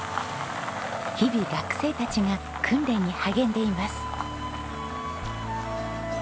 日々学生たちが訓練に励んでいます。